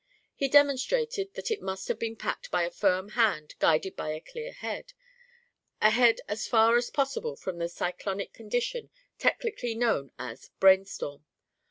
He demonstrated that it must have been packed by a firm hand guided by a clear head, a head as far as possible from that cyclonic condition technically known as "brainstorm."